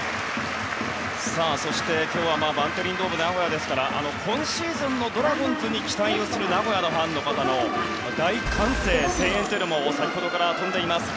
そして、今日はバンテリンドームナゴヤですから今シーズンのドラゴンズに期待をする名古屋のファンの方の大歓声、声援も先ほどから飛んでいます。